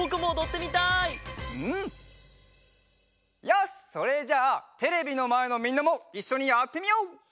よしそれじゃあテレビのまえのみんなもいっしょにやってみよう！